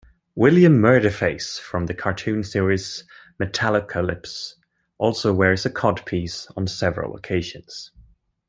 William Murderface from the cartoon series "Metalocalypse" also wears a codpiece on several occasions.